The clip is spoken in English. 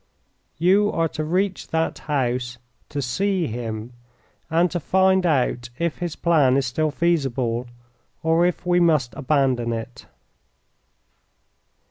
"You are to reach that house, to see him, and to find out if his plan is still feasible or if we must abandon it."